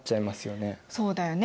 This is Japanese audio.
そうだよね。